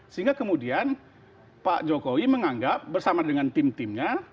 sehingga kemudian pak jokowi menganggap bersama dengan tim timnya